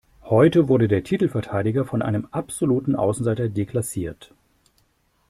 Heute wurde der Titelverteidiger von einem absoluten Außenseiter deklassiert.